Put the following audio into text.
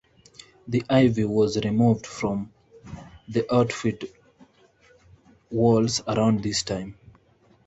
The ivy was removed from the outfield walls around this time.